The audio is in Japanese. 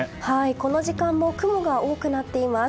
この時間も雲が多くなっています。